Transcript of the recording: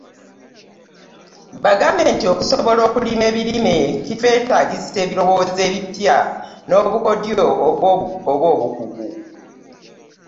Bagambe nti okusobola okulima ebirime kitwetaagisa ebirowoozo ebipya n’obukodyo oba obukugu.